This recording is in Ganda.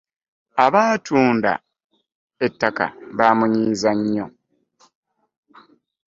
Abatunda ettaka bamunyiiza nnyo.